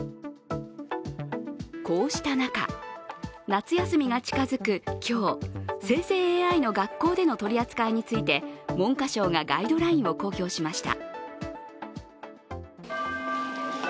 こうした中、夏休みが近づく今日、生成ＡＩの学校での取り扱いについて文科省がガイドラインを公表しました。